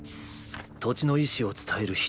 土地の意志を伝える人」。